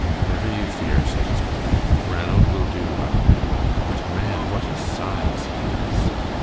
"Never you fear," said his brother. "Ranald will do well. But, man, what a size he is!"